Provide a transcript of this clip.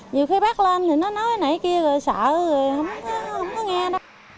nhiều khi bác lên thì nó nói nãy kia rồi sợ rồi không có nghe đâu